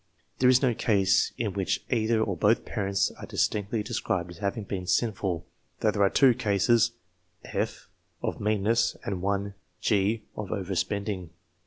There is no case in which either or both parents are distinctly described as having been sinful, though there are two cases (/) 1 of meanness, and one (g.) 2 of over spending.